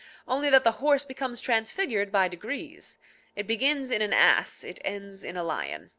Only that the horse becomes transfigured by degrees. It begins in an ass; it ends in a lion.